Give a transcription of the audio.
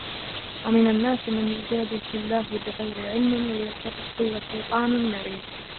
وَمِنَ النَّاسِ مَنْ يُجَادِلُ فِي اللَّهِ بِغَيْرِ عِلْمٍ وَيَتَّبِعُ كُلَّ شَيْطَانٍ مَرِيدٍ